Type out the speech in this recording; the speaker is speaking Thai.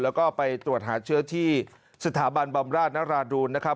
แล้วก็ไปตรวจหาเชื้อที่สถาบันบำราชนราดูนนะครับ